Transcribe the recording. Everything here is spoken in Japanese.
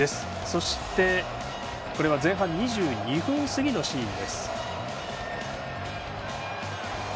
そして前半２２分過ぎのシーン。